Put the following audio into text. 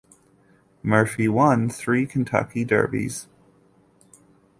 Murphy won three Kentucky Derbies.